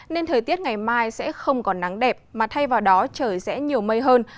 nên thời tiết ngày mai sẽ không còn nắng đẹp mà thay vào đó trời sẽ nhiều mây hơn